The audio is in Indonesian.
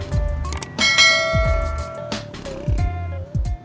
kredit juga ada syarat syaratnya